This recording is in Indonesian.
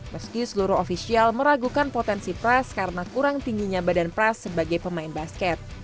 meski seluruh ofisial meragukan potensi pras karena kurang tingginya badan pras sebagai pemain basket